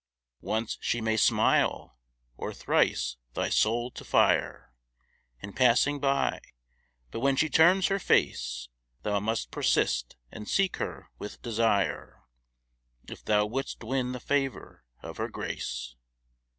Once she may smile, or thrice, thy soul to fire, In passing by, but when she turns her face, Thou must persist and seek her with desire, If thou wouldst win the favor of her grace.